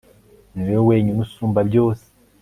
ni wowe wenyine usumba byose